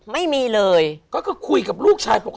ไม่มีเลยก็คือคุยกับลูกชายปกติ